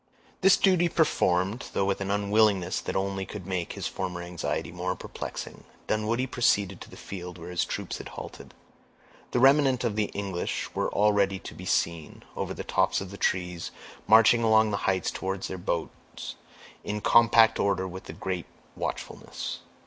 This duty performed, though with an unwillingness that only could make his former anxiety more perplexing, Dunwoodie proceeded to the field where his troops had halted. The remnant of the English were already to be seen, over the tops of the trees, marching along the heights towards their boats, in compact order and with great watchfulness.